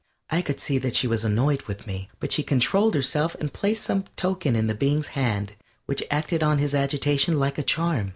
I could see that she was annoyed with me, but she controlled herself and placed some token in the being's hand which acted on his agitation like a charm.